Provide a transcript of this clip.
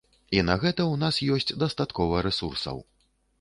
І на гэта ў нас ёсць дастаткова рэсурсаў.